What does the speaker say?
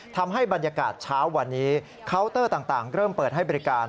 ทำให้บรรยากาศเช้าวันนี้เคาน์เตอร์ต่างเริ่มเปิดให้บริการ